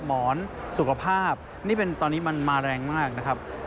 หมอนสุขภาพนี่เป็นตอนนี้มันมาแรงมากนะครับ